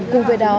cùng với đó